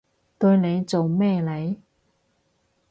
對你做咩嚟？